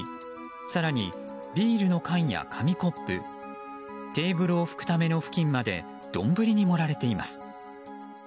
更に、ビールの缶や紙コップテーブルを拭くためのふきんまで丼に盛られています。